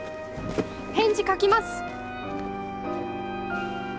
返事書きます！